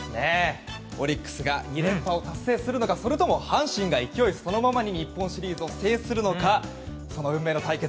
オリックスが２連覇を達成するのかそれとも阪神が勢いそのままに日本シリーズを制するのかその運命の対決